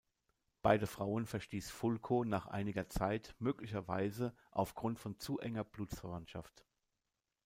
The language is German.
Beide Frauen verstieß Fulko nach einiger Zeit möglicherweise aufgrund von zu enger Blutsverwandtschaft.